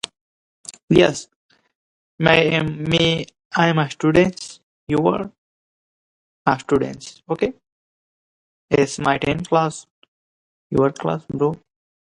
Sharon and Rogers eventually fall in love.